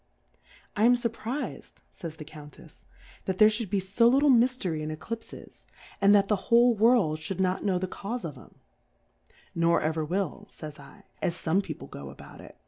I am iuvpviz^dy fays the Countefs^ that there fliould be fo* little Miftery in E clipfes, and that the whole World fliould not know tlxe Caufe of 'em* !N' or ever will, / Jyj" /, as fome People go about it.